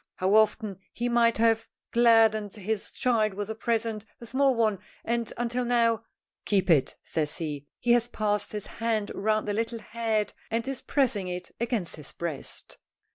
How often he might have gladdened this child with a present, a small one, and until now "Keep it," says he; he has passed his hand round the little head and is pressing it against his breast.